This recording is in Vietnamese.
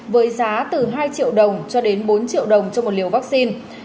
với giá từ hai triệu đồng cho đến bốn triệu đồng cho một liều vaccine